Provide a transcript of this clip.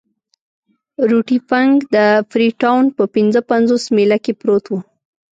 روټي فنک د فري ټاون په پنځه پنځوس میله کې پروت وو.